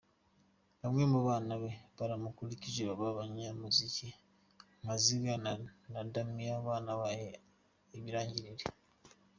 Bamwe mu bana be, baramukurikije baba amanyamuzika nka Ziggy na Damian banabaye ibirangirire.